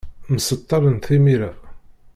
Mseṭṭalen timira.